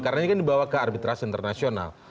karena ini kan dibawa ke arbitrasi internasional